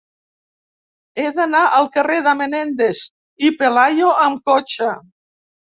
He d'anar al carrer de Menéndez y Pelayo amb cotxe.